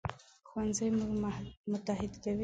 ښوونځی موږ متحد کوي